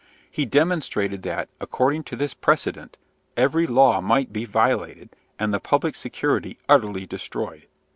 He demonstrated, that, according to this precedent, every law might be violated, and the public security utterly destroyed.